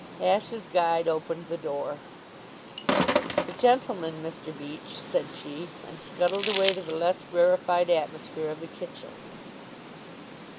Ashe's guide opened the door. "The gentleman, Mr. Beach," said she, and scuttled away to the less rarefied atmosphere of the kitchen.